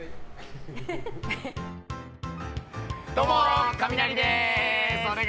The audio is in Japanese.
どうも、カミナリです！